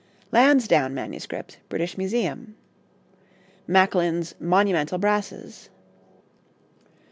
Lansdowne MS., British Museum. Macklin's 'Monumental Brasses.'